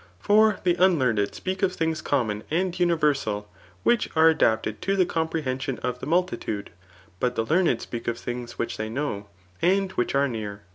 '' For the unltsacMd speak of things common and universal,, [which zte adapted to the xomprehoision of the mukitnde;} hot the leamed speak of things which they know^ and vrhich are near.